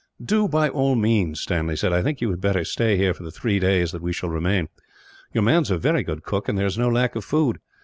"Do, by all means," Stanley said. "I think you had better stay here for the three days that we shall remain. Your man is a very good cook, and there is no lack of food.